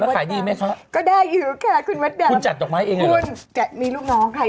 แล้วขายดีไหมคะ